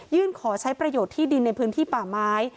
ขอใช้ประโยชน์ที่ดินในพื้นที่ป่าไม้